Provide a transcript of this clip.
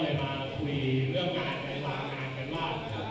ให้เดินไปให้จัดงาน